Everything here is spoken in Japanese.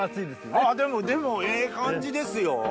あっでもええ感じですよ。